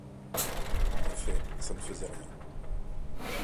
En effet, ça ne faisait rien.